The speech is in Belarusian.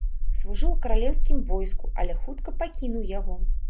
Служыў у каралеўскім войску, але хутка пакінуў яго.